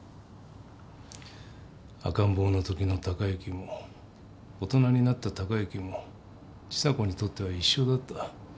赤ん坊のときの貴之も大人になった貴之も千沙子にとっては一緒だった